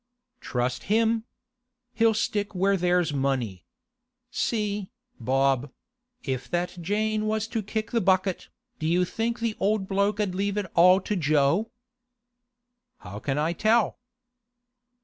'Trust him! He'll stick where there's money. See, Bob; if that Jane was to kick the bucket, do you think the old bloke 'ud leave it all to Jo?' 'How can I tell?